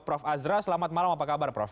prof azra selamat malam apa kabar prof